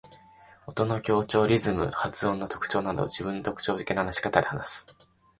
音の強調、リズム、発音の特徴など自分の特徴的な話し方で話す。